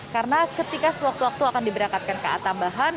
karena ketika sewaktu waktu akan diberangkatkan ka tambahan